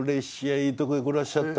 いいとこへ来らっしゃったわ。